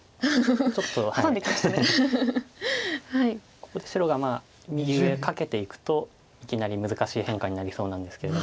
ここで白が右上カケていくといきなり難しい変化になりそうなんですけれども。